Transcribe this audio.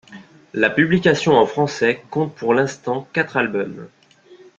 La publication en français compte pour l'instant quatre albums.